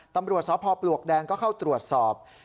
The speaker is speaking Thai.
ตำรวจสพปลวกแดงก็เข้าตรวจสอบ